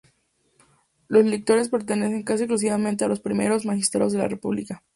Los lictores pertenecían casi exclusivamente a los primeros magistrados de la república.